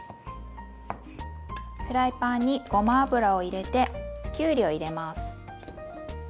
フライパンにごま油を入れてきゅうりを入れます。